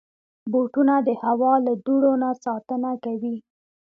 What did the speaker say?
بوټونه د هوا له دوړو نه ساتنه کوي.